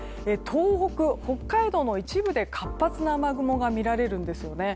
東北、北海道の一部で活発な雨雲が見られるんですよね。